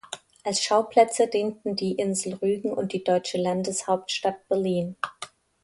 Als Schauplätze dienten die Insel Rügen und die deutsche Landeshauptstadt Berlin.